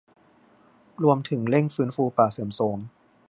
รวมถึงเร่งฟื้นฟูป่าเสื่อมโทรม